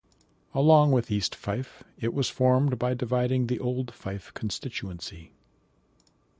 Along with East Fife, it was formed by dividing the old Fife constituency.